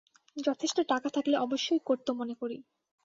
যথেষ্ট টাকা থাকলে অবশ্যই করত মনেকরি।